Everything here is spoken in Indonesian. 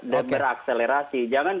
dan berakselerasi jangan